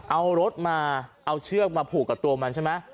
เอารถมาเอาเชือกมาผูกกับตัวมันใช่ไหม